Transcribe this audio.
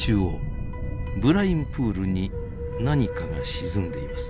ブラインプールに何かが沈んでいます。